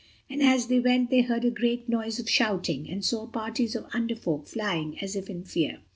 And as they went they heard a great noise of shouting, and saw parties of Under Folk flying as if in fear.